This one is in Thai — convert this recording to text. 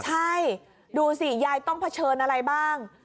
ใช่ดูสิยายต้องเผชิญอะไรบ้าง